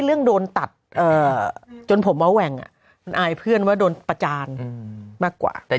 เรื่องโดนตัดจนผมมาแหว่งมันอายเพื่อนว่าโดนประจานมากกว่าแต่